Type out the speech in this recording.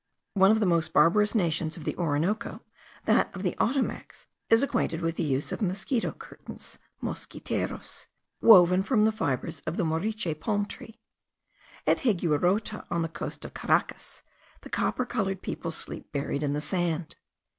One of the most barbarous nations of the Orinoco, that of the Ottomacs, is acquainted with the use of mosquito curtains (mosquiteros) woven from the fibres of the moriche palm tree. At Higuerote, on the coast of Caracas, the copper coloured people sleep buried in the sand.